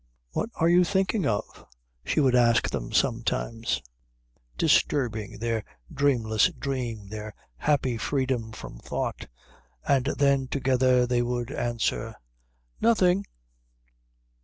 "What are you thinking of?" she would ask them sometimes, disturbing their dreamless dream, their happy freedom from thought. And then together they would answer, "Nothing."